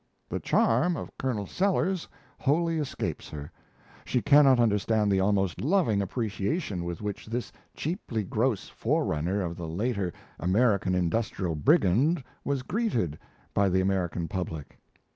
The charm of Colonel Sellers wholly escapes her; she cannot understand the almost loving appreciation with which this cheaply gross forerunner of the later American industrial brigand was greeted by the American public.